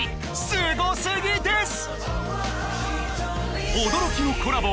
すご過ぎです！